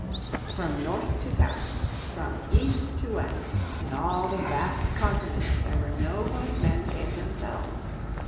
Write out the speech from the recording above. From north to south, from east to west, in all the vast continent there were no white men save themselves.